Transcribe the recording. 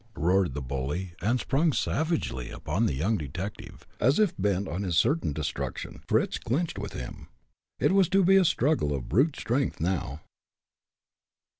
roared the bully, and sprung savagely upon the young detective, as if bent on his certain destruction, Fritz clinched with him. It was to be a struggle of brute strength now.